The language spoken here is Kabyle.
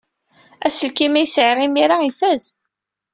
Aselkim ay sɛiɣ imir-a ifaz.